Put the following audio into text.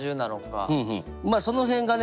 まあその辺がね